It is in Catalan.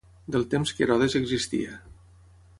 Del temps que Herodes existia.